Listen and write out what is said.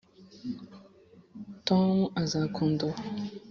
tom azakunda uwo.